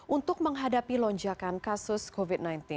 untuk menghadapi lonjakan kasus covid sembilan belas